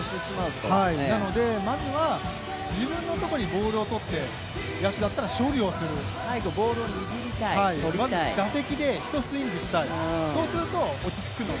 なので、まずは自分のところにボールを取って、野手だったら勝利をする、打席で１スイングしたい、そうすると落ち着くので。